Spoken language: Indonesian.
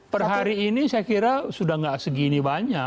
per hari ini saya kira sudah tidak segini banyak